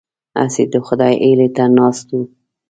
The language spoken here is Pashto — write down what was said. هسې د خدای هیلې ته ناست وو.